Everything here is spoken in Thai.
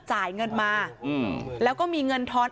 จ่ายเงินมาแล้วก็มีเงินทอน